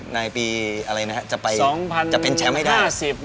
ในปีอะไรนะครับจะเป็นแชมป์ให้ได้